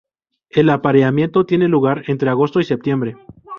El apareamiento tiene lugar entre agosto y septiembre.